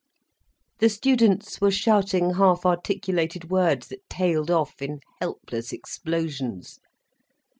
The students were shouting half articulated words that tailed off in helpless explosions.